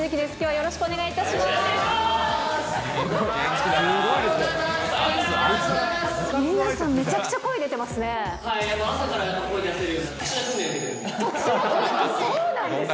よろしくお願いします。